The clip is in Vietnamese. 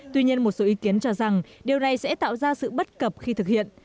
tuy nhiên một số ý kiến cho rằng điều này sẽ tạo ra sự bất cập khi thực hiện